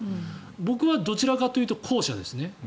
僕はどちらかというと後者ですね。